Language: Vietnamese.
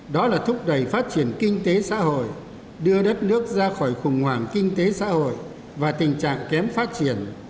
đó là thúc đẩy phát triển kinh tế xã hội đưa đất nước ra khỏi khủng hoảng kinh tế xã hội và tình trạng kém phát triển